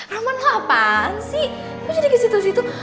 roman lo apaan sih lo jadi kesitu situ